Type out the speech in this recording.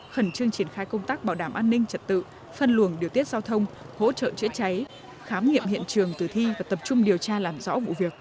khẩn trương triển khai công tác bảo đảm an ninh trật tự phân luồng điều tiết giao thông hỗ trợ chữa cháy khám nghiệm hiện trường tử thi và tập trung điều tra làm rõ vụ việc